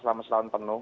selama selama penuh